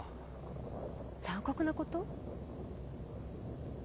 残酷なこと？